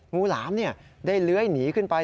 หลามได้เลื้อยหนีขึ้นไป